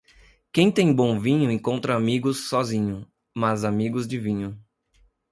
Quem tem bom vinho encontra amigos sozinho, mas amigos de vinho.